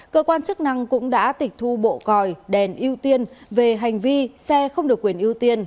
cơ quan chức năng cũng đã tịch thu bộ còi đèn ưu tiên về hành vi xe không được quyền ưu tiên